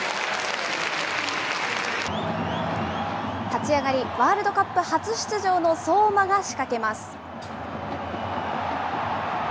立ち上がり、ワールドカップ初出場の相馬が仕掛けます。